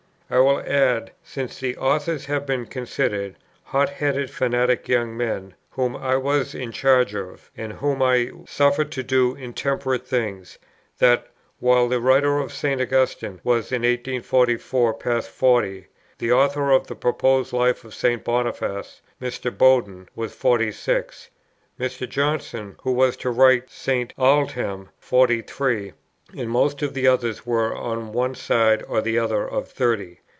I will add, since the authors have been considered "hot headed fanatic young men," whom I was in charge of, and whom I suffered to do intemperate things, that, while the writer of St. Augustine was in 1844 past forty, the author of the proposed Life of St. Boniface, Mr. Bowden, was forty six; Mr. Johnson, who was to write St. Aldhelm, forty three; and most of the others were on one side or other of thirty.